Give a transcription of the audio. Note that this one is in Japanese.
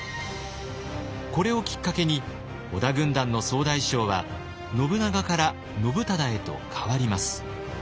これをきっかけに織田軍団の総大将は信長から信忠へと代わります。